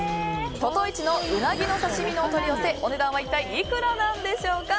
魚魚一のうなぎの刺身のお取り寄せお値段は一体いくらなんでしょうか。